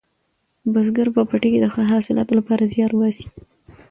بزګر په پټي کې د ښه حاصلاتو لپاره زیار باسي